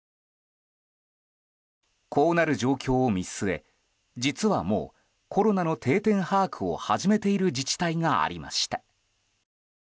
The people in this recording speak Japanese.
こうなる状況を見据え、実はもうコロナの定点把握を始めている自治体がありました。